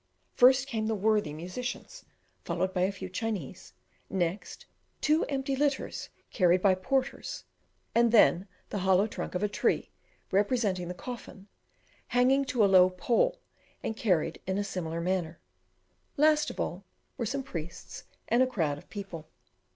First came the worthy musicians, followed by a few Chinese, next two empty litters carried by porters, and then the hollow trunk of a tree, representing the coffin, hanging to a long pole, and carried in a similar manner: last of all, were some priests and a crowd of people.